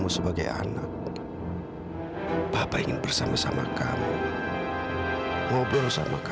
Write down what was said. saya gak mau turun